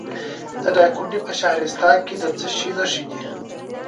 د دایکنډي په شهرستان کې د څه شي نښې دي؟